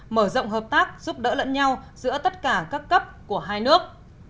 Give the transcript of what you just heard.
mở rộng hợp tác giúp đỡ lẫn nhau giữa tất cả các cấp của hai nước